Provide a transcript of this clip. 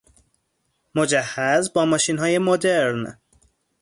مجهز با ماشین های مدرن